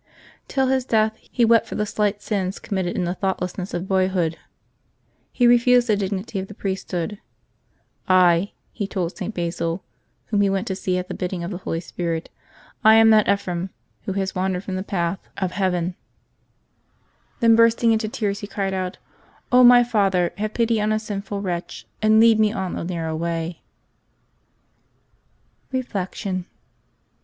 Till his death, he wept for the slight sins committed in the thoughtlessness of boyhood. He refused the dignity of the priesthood. "I," he told St. Basil, whom he went to see at the bidding of the Holy Spirit, ^ I am that Ephrem who has wandered from the path of 244 LIVES OF THE SAINTS [July 10 hearen." Then bursting into tears, he cried out, " my father, have pity on a sinful wretch, and lead me on the narrow way/' Reflection.